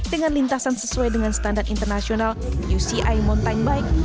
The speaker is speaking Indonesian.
dengan lintasan sesuai dengan standar internasional uci mountain bike